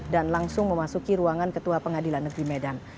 dan langsung memasuki ruangan ketua pengadilan negeri medan